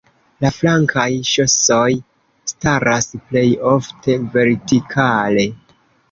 La flankaj ŝosoj staras plej ofte vertikale.